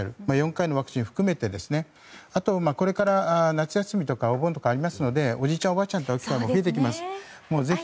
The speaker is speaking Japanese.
４回目のワクチンも含めてあとこれから夏休みとかお盆とかありますのでおじいちゃんおばあちゃんのところに行く機会も増えると思います。